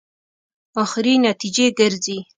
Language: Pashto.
اخري نتیجې ګرځي.